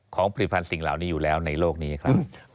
ผลิตภัณฑ์สิ่งเหล่านี้อยู่แล้วในโลกนี้ครับ